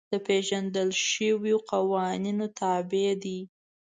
د پېژندل شویو قوانینو تابع دي.